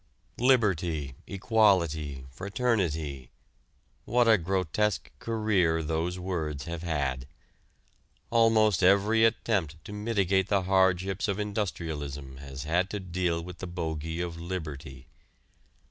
Liberty, equality, fraternity what a grotesque career those words have had. Almost every attempt to mitigate the hardships of industrialism has had to deal with the bogey of liberty.